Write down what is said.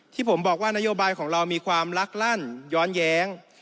ที่ผมบอกว่านโยบายของเรามีความลักลั่นย้อนแย้ง